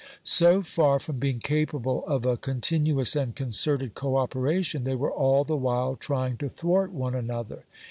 So far from being capable of a continuous and concerted co operation they were all the while trying to thwart one another.